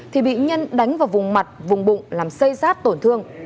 thì bị nhân đánh vào vùng mặt vùng bụng làm xây rát tổn thương